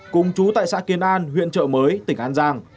cùng chú tại xã kiến an huyện trợ mới tỉnh an giang